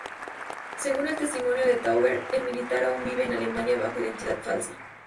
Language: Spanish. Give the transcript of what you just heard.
Según el testimonio de Tauber, el militar aún vive en Alemania, bajo identidad falsa.